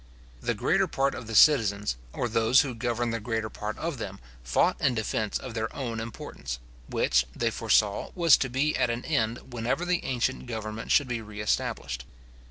The greater part of the citizens, or those who governed the greater part of them, fought in defence of their own importance, which, they foresaw, was to be at an end whenever the ancient government should be re established.